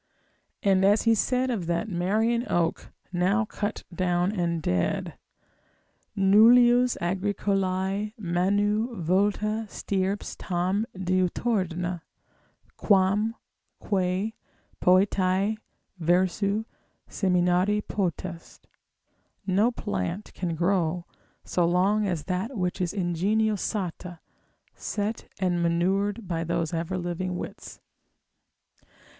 And as he said of that Marian oak, now cut down and dead, nullius Agricolae manu vulta stirps tam diuturna, quam quae poetae, versu seminari potest, no plant can grow so long as that which is ingenio sata, set and manured by those ever living wits.